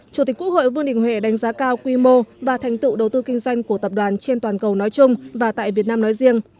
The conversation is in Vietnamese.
chủ tịch quốc hội vương đình huệ đánh giá cao quy mô và thành tựu đầu tư kinh doanh của tập đoàn trên toàn cầu nói chung và tại việt nam nói riêng